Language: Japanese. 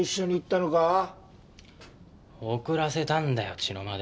送らせたんだよ茅野まで。